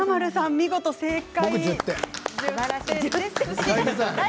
見事正解。